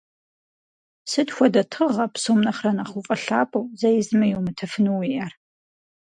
Сыт хуэдэ тыгъэ псом нэхърэ нэхъ уфӏэлъапӏэу, зэи зыми йумытыфыну уиӏэр?